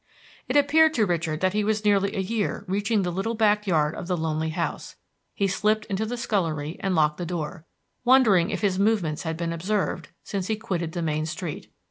It appeared to Richard that he was nearly a year reaching the little back yard of the lonely house. He slipped into the scullery and locked the door, wondering if his movements had been observed since he quitted the main street.